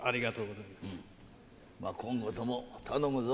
まあ今後とも頼むぞ。